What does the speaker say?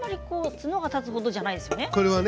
角が立つほどではないですね。